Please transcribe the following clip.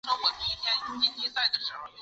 魏博军包围内黄。